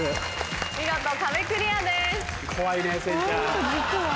見事壁クリアです。